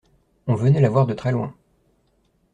On venait la voir de très-loin.